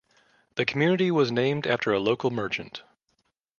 The community was named after a local merchant.